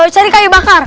cari kayu bakar